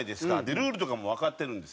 ルールとかもわかってるんです。